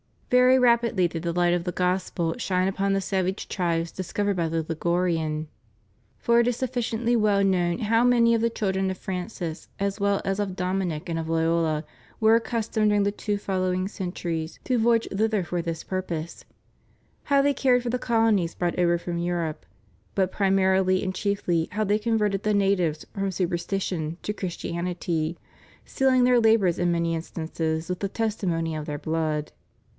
Very rapidly did the light of the Gos pel shine upon the savage tribes discovered by the Ligu rian. For it is sufficiently well known how many of the children of Francis, as well as of Dominic and of Loyola, were accustomed during the two following centuries to voyage thither for this purpose; how they cared for the colonies brought over from Europe; but primarily and chiefly how they converted the natives from superstition to Christianity, sealing their labors in many instances with the testimony of their blood.